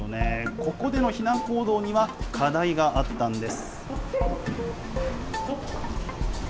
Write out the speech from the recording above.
ここでの避難行動には課題があったんです。